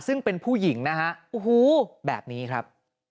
ซึ่งเป็นผู้หญิงนะฮะโอ้โหแบบนี้ครับ